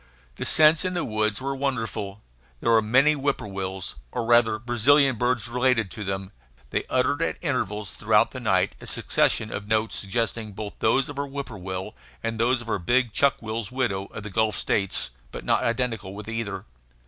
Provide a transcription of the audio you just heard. The scents in the woods were wonderful. There were many whippoorwills, or rather Brazilian birds related to them; they uttered at intervals through the night a succession of notes suggesting both those of our whippoorwill and those of our big chuck will's widow of the Gulf States, but not identical with either.